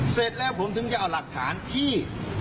เสร็จแล้วผมถึงจะเอาหลักฐานที่